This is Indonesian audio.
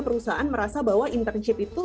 perusahaan merasa bahwa internship itu